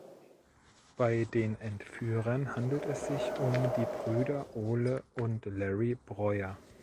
Bei den Entführern handelt es sich um die Brüder Ole und Larry Breuer.